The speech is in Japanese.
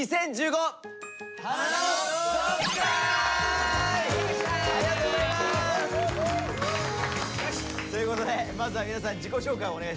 ありがとうございます！ということでまずは皆さん自己紹介をお願いします。